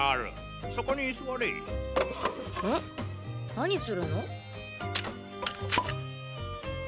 何するの？